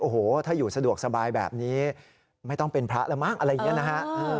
โอ้โหถ้าอยู่สะดวกสบายแบบนี้ไม่ต้องเป็นพระแล้วมั้งอะไรอย่างนี้นะฮะ